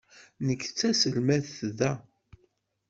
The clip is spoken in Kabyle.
Nekk d taselmadt da.